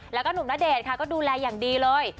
แล้วก็หนุ่มณเดชน์ค่ะก็ดูแลอย่างดีเลย